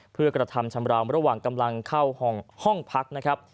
เพื่อกระทำชำราวระหว่างกำลังเข้าห้องพักนะครับ